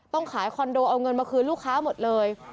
ต้องขายคอนโดเอาเงินมาคืนลูกค้าหมดเลย